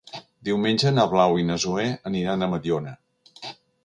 Diumenge na Blau i na Zoè aniran a Mediona.